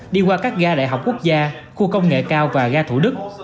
đi qua các ga đại học quốc gia khu công nghệ cao và ga thủ đức